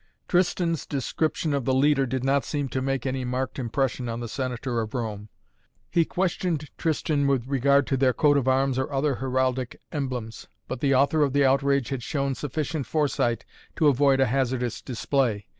Tristan's description of the leader did not seem to make any marked impression on the Senator of Rome. He questioned Tristan with regard to their coat of arms or other heraldic emblems. But the author of the outrage had shown sufficient foresight to avoid a hazardous display.